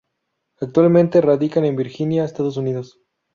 Actualmente radica en Virginia, Estados Unidos.